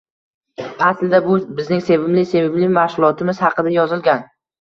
Aslida, bu bizning "sevimli" sevimli mashg'ulotimiz haqida yozilgan